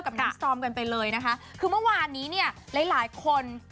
กับเรนนี่สโฟร์มไปเลยนะคะคือเมื่อวานเนี้ยหลายหลายคนว่า